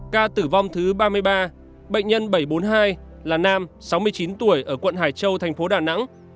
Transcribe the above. ca tử vong thứ ba mươi ba bệnh nhân bảy trăm bốn mươi hai là nam sáu mươi chín tuổi ở quận hải châu thành phố đà nẵng